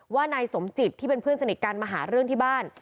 ว่านายสมจิตที่เป็นเพื่อนสนิทกันมาหาเรื่องที่บ้าน